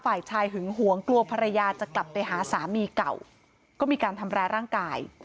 ฝ่ายชายหึงหวงกลัวภรรยาจะกลับไปหาสามีเก่าก็มีการทำร้ายร่างกาย